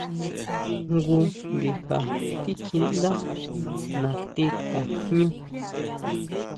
Jngu ndija tikjíʼndá natí tajñú.